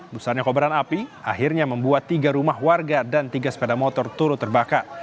besarnya kobaran api akhirnya membuat tiga rumah warga dan tiga sepeda motor turut terbakar